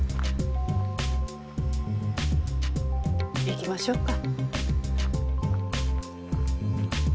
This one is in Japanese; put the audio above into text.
行きましょうか。